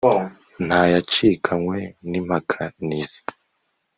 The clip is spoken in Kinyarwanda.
nta yacikanywe n' impakanizi